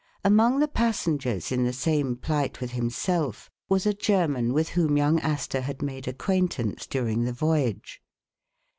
Among the passengers in the same plight with him self, was a German with whom young Astor had made acquaintance during the voyage.